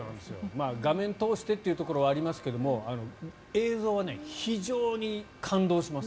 画面を通してというところはありますが映像は非常に感動します。